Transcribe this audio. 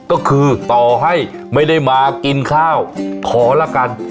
ก็คือต่อให้ไม่ได้มากินข้าวขอละกัน